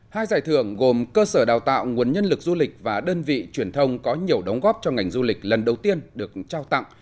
hai giải thưởng gồm cơ sở đào tạo nguồn nhân lực du lịch và đơn vị truyền thông có nhiều đóng góp cho ngành du lịch lần đầu tiên được trao tặng